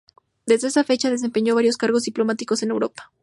Desde esa fecha desempeñó varios cargos diplomáticos en Europa.